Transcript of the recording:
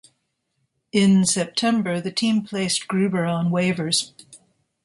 In September, the team placed Gruber on waivers.